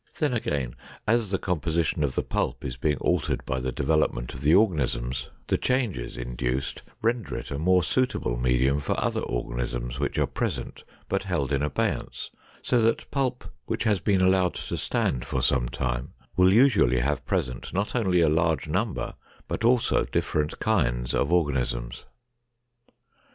Then again, as the composition of the pulp is being altered by the development of the organisms, the changes induced render it a more suitable medium for other organisms which are present but held in abeyance, so that pulp which has been allowed to stand for some time will usually have present not only a large number, but also different kinds of organisms.